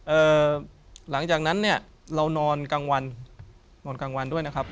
เออหลังจากนั้นนี่เรานอนกลางวันด้วยนะครับ